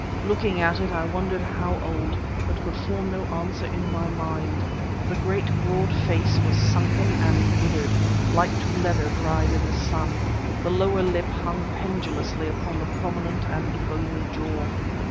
Looking at it, I wondered how old, but could form no answer in my mind. The great, broad face was sunken and withered, like to leather dried in the sun; the lower lip hung pendulously upon the prominent and bony jaw.